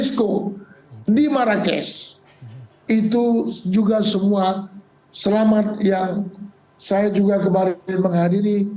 suara kecil di sini